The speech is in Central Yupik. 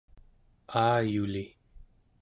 aayuli